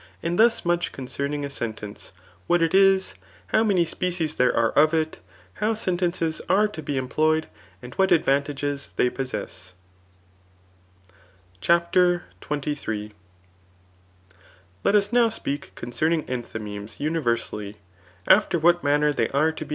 And thus much concerning a sentence^ what it is»..how raany ^Bcies there are of it^ how sentences are to be eio ployed^and what adyantage they possess* CHAPTER XXIir. ; Let us now speak concerning enthymemes univier* sally, after what manner they are to be.